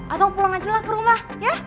atau pulang aja lah ke rumah ya